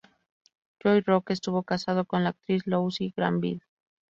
Joe Rock estuvo casado con la actriz Louise Granville.